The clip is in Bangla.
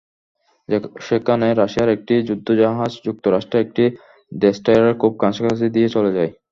সেখানে রাশিয়ার একটি যুদ্ধজাহাজ যুক্তরাষ্ট্রের একটি ডেস্ট্রয়ারের খুব কাছাকাছি দিয়ে চলে যায়।